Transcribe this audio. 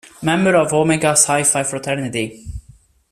Member of Omega Psi Phi fraternity.